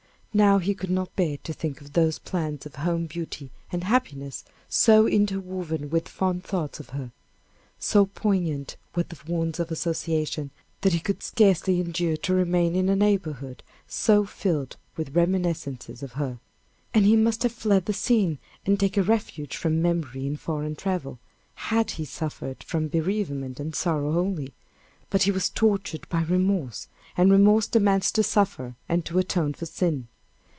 Now he could not bear to think of those plans of home beauty and happiness so interwoven with fond thoughts of her. So poignant were the wounds of association, that he could scarcely endure to remain in a neighborhood so filled with reminiscences of her; and he must have fled the scene, and taken refuge from memory in foreign travel, had he suffered from bereavement and sorrow only; but he was tortured by remorse, and remorse demands to suffer and to atone for sin.